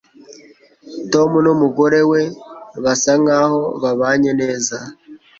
tom n'umugore we basa nkaho babanye neza